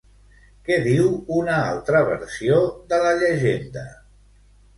Què diu una altra versió de la llegenda?